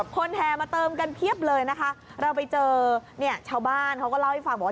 แห่มาเติมกันเพียบเลยนะคะเราไปเจอเนี่ยชาวบ้านเขาก็เล่าให้ฟังบอกว่า